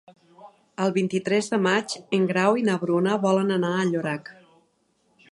El vint-i-tres de maig en Grau i na Bruna volen anar a Llorac.